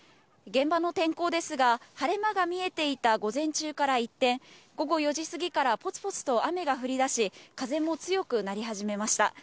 現場の天候ですが、晴れ間が見えていた午前中から一転、午後４時過ぎからぽつぽつと雨が降りだし、風も強くなり始めました。